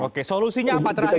oke solusinya apa terakhir